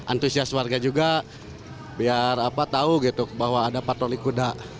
antusias warga juga biar tahu gitu bahwa ada patroli kuda